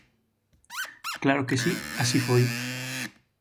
Claro que si, así foi.